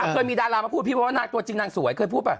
เคยมีดารามาพูดพี่ว่าตัวจริงนางสวยเคยพูดป่ะ